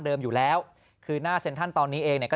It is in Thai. อยู่แล้วคือหน้าเซ็นทรัลตอนนี้เองเนี่ยก็